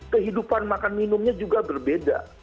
kehidupan makan minumnya juga berbeda